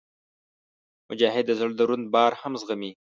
مجاهد د زړه دروند بار هم زغمي.